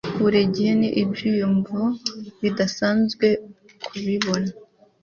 burigihe ni ibyiyumvo bidasanzwe kubibona